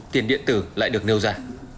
tiền điện tử lại được nêu ra